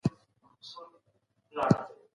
افغان ښځي د وینا بشپړه ازادي نه لري.